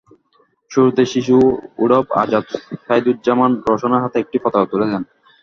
শুরুতে শিশু ঔড়ব আজাদ সাইদুজ্জামান রওশনের হাতে একটি পতাকা তুলে দেন।